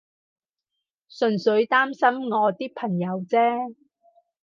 純粹擔心我啲朋友啫